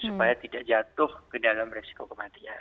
supaya tidak jatuh ke dalam resiko kematian